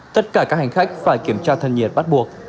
tất cả các hành khách phải kiểm tra thân nhiệt bắt buộc